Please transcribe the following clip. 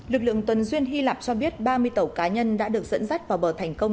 lực lượng tuần duyên hy lạp cho biết ba mươi tàu cá nhân đã được dẫn dắt vào bờ thành công